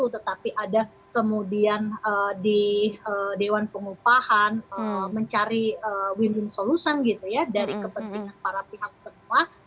tetapi ada kemudian di dewan pengupahan mencari win win solution gitu ya dari kepentingan para pihak semua